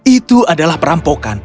itu adalah perampokan